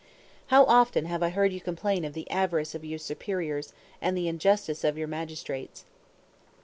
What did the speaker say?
How often have I heard you complain of the avarice of your superiors and the injustice of your magistrates.